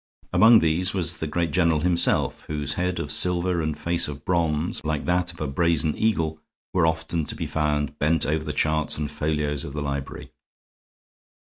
Among these was the great general himself, whose head of silver and face of bronze, like that of a brazen eagle, were often to be found bent over the charts and folios of the library.